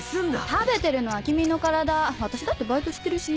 食べてるのは君の体私だってバイトしてるし。